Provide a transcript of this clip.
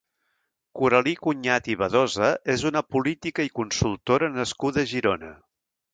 Coralí Cunyat i Badosa és una política i consultora nascuda a Girona.